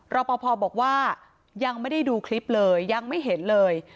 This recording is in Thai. รอปภบอกว่ายังไม่ได้ดูคลิปเลยยังไม่เห็นเลย